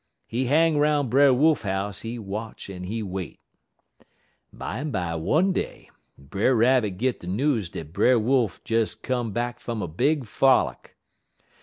He hang 'roun' Brer Wolf house; he watch en he wait. "Bimeby, one day, Brer Rabbit git de news dat Brer Wolf des come back fum a big frolic.